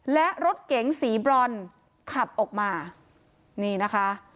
และรถเก๋งสีบรอนขับออกมานี่นะคะ